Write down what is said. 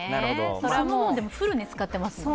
それはもうフルに使ってますもんね。